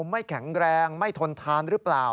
ไม่แข็งแรงไม่ทนทานหรือเปล่า